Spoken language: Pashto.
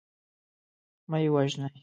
مه یې وژنی.